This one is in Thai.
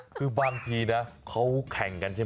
เค้าแข่งถึงไม่ได้